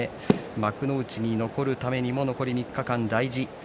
幕内に残るためにも残り３日間大事。